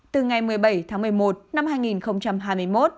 từ ngày một mươi bảy tháng một mươi một năm hai nghìn hai mươi một